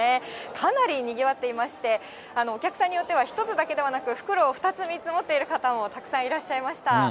かなりにぎわっていまして、お客さんによっては、１つだけではなく、袋を２つ、３つ持ってる方もたくさんいらっしゃいました。